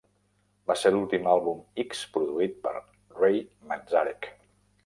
Va ser l'últim àlbum X produït per Ray Manzarek.